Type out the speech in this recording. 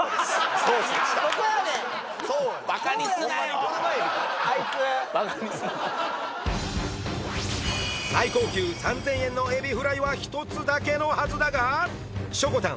そこやねん最高級３０００円のエビフライは１つだけのはずだがしょこたん